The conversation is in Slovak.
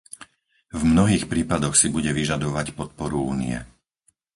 V mnohých prípadoch si bude vyžadovať podporu Únie.